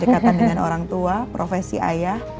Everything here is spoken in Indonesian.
dekatan dengan orang tua profesi ayah